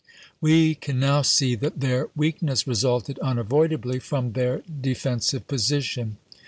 We can now see that their weakness resulted unavoidably from their defen sive position.